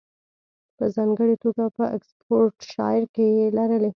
په ځانګړې توګه په اکسفورډشایر کې یې لرلې